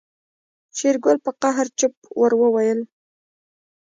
شېرګل په قهر چپ ور وويل.